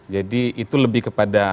jadi itu lebih kepada